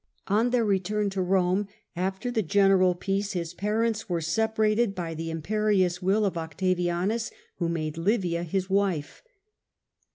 On their return to Rome after the Tibcnus. general peace his parents were separated by the imperious will of Octavianus, who made Livia his wife.